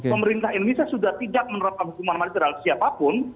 pemerintah indonesia sudah tidak menerapkan hukuman mati terhadap siapapun